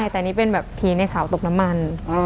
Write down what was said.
แต่นี่เป็นผีในเสาตกน้ำมัน